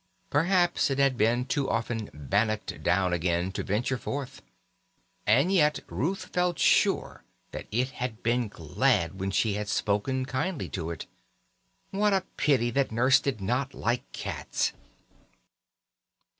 Perhaps it had been too often "bannocked" down again to venture forth. And yet Ruth felt sure that it had been glad when she had spoken kindly to it. What a pity that Nurse did not like cats!